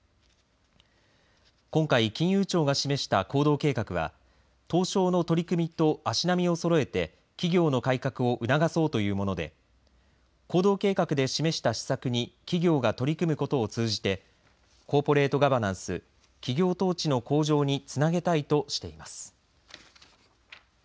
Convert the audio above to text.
今回、金融庁が示した行動計画は東証の取り組みと足並みをそろえて企業の改革を促そうというもので行動計画で示した施策に企業が取り組むことを通じてコーポレート・ガバナンス企業統治の向上につなげたいとしています。